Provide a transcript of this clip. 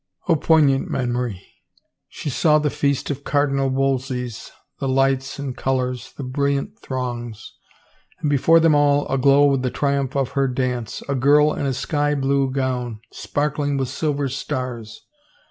— Oh, poignant memory ! She saw the feast of Cardinal Wolsey's, the lights and colors, the brilliant throngs,— and before them all, aglow with the triumph of her dance, a girl in a sky blue gown, sparkling with silver stars.